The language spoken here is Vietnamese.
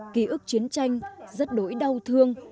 ký ức chiến tranh rất đỗi đau thương